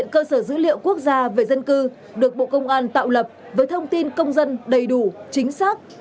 cơ sở dữ liệu dân cư được bộ công an tạo lập với thông tin công dân đầy đủ chính xác